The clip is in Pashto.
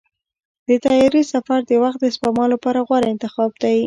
د طیارې سفر د وخت د سپما لپاره غوره انتخاب دی.